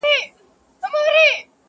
سړي وایې موږکانو دا کار کړﺉ,